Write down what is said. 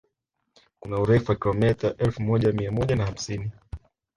Kuna urefu wa kilomita elfu moja mia moja na hamsini